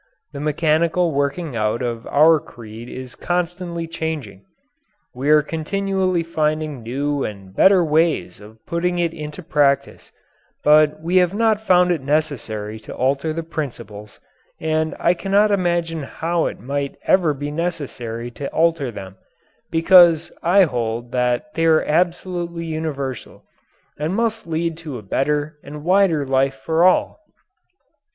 The mechanical working out of our creed is constantly changing. We are continually finding new and better ways of putting it into practice, but we have not found it necessary to alter the principles, and I cannot imagine how it might ever be necessary to alter them, because I hold that they are absolutely universal and must lead to a better and wider life for all.